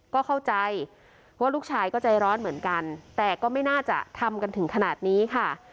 ก็เข้าใจว่าลูกชายก็ใจร้อนเหมือนกันแต่ก็ไม่น่าจะทำกันถึงขนาดนี้ค่ะ